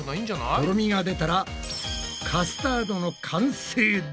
とろみが出たらカスタードの完成だ！